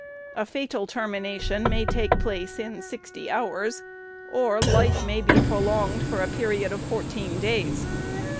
A fatal termination may take place in sixty hours, or life may be prolonged for a period of fourteen days.